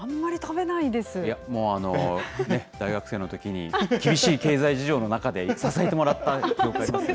いや、もうね、大学生のときに、厳しい経済事情の中で、支えてもらった記憶ありますよ。